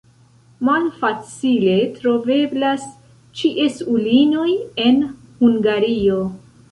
Malfacile troveblas ĉiesulinoj en Hungario.